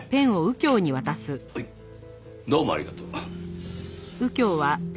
どうもありがとう。